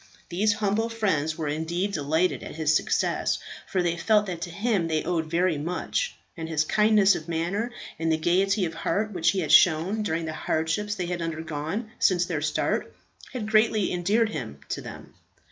These humble friends were indeed delighted at his success, for they felt that to him they owed very much; and his kindness of manner and the gaiety of heart which he had shown during the hardships they had undergone since their start, had greatly endeared him to them.